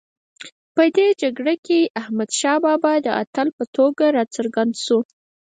په دې جګړه کې احمدشاه بابا د اتل په توګه راڅرګند شو.